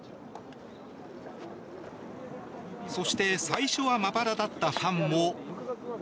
そして、最初はまばらだったファンも。